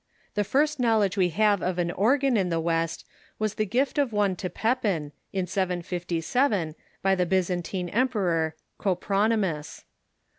The first knowledge we have of an organ in the West was the gift of one to Pepin, in 757, by the Byzantine emperor, Copronj'mus.